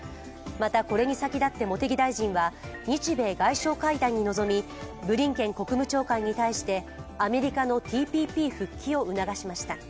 また、これに先立って茂木大臣は日米外相会談に臨み、ブリンケン国務長官に対してアメリカのＴＰＰ復帰を促しました。